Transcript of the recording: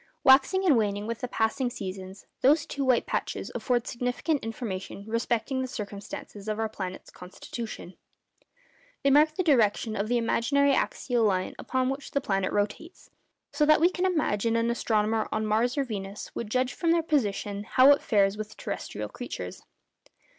Waxing and waning with the passing seasons, those two white patches afford significant information respecting the circumstances of our planet's constitution. They mark the direction of the imaginary axial line upon which the planet rotates; so that we can imagine that an astronomer on Mars or Venus would judge from their position how it fares with terrestrial creatures.